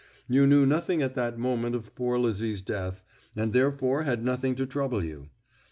You knew nothing at that moment of poor Lizzie's death, and therefore had nothing to trouble you.